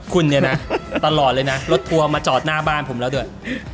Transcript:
คุณเนี่ยนะตลอดเลยนะรถทัวร์มาจอดหน้าบ้านผมแล้วด้วย